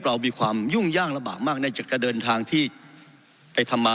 เรามีความยุ่งยากลำบากมากในการเดินทางที่ไปทำมา